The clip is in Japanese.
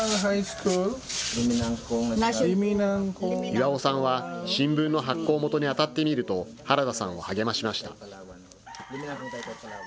イワオさんは、新聞の発行元にあたってみるとハラダさんを励ましました。